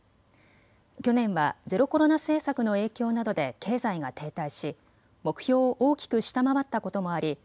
去年はゼロコロナ政策の影響などで経済が停滞し目標を大きく下回ったこともあり